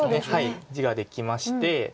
はい地ができまして。